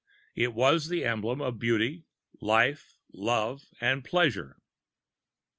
It was the emblem of beauty, life, love, and pleasure.